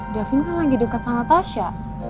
yatin kan lagi deket sama tasya